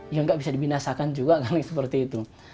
ya nggak bisa dibinasakan juga kan seperti itu